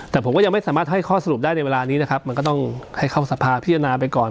แต่ผมก็ยังไม่สามารถให้ข้อสรุปได้ในเวลานี้นะครับมันก็ต้องให้เข้าสภาพิจารณาไปก่อน